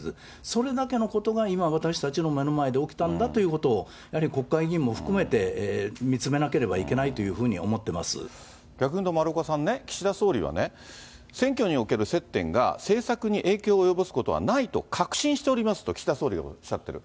それだけのことが今、私たちの目の前で起きたんだということを、やはり国会議員も含めて、見つめなければいけないというふうに思逆に、丸岡さんね、岸田総理はね、選挙における接点が政策に影響を及ぼすことはないと確信しておりますと、岸田総理、おっしゃってる。